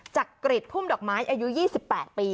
จักริจพุ่มดอกไม้อายุ๒๘ปี